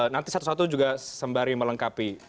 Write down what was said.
nanti satu satu juga sembari melengkapi